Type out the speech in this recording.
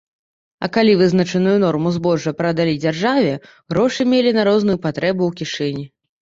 А калі вызначаную норму збожжа прадалі дзяржаве, грошы мелі на розную патрэбу ў кішэні.